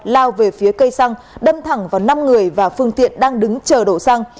lao về phía cây xăng đâm thẳng vào năm người và phương tiện đang đứng chờ đổ xăng